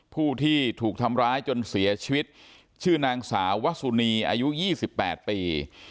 ผู้ที่ถูกทำร้ายจนเสียชีวิตชื่อนางสาววสุนีอายุ๒๘ปี